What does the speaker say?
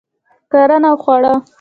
کرنه او خواړه